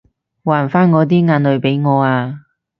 還返我啲眼淚畀我啊